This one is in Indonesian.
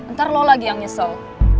ntar lo lagi yang nyesel